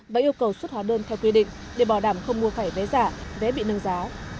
và yêu cầu xuất hóa đơn theo quy định để bảo đảm không mua phải vé giả vé bị nâng giá